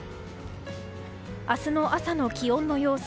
明日朝の気温の様子。